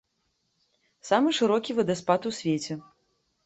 Самы шырокі вадаспад у свеце.